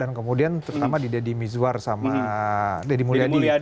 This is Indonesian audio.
dan kemudian terutama di deddy mizwar sama deddy mulyadi